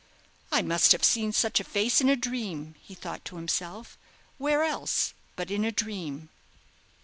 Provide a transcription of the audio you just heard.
"I must have seen such a face in a dream," he thought to himself; "where else but in a dream?"